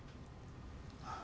ああ。